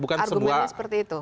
argumennya seperti itu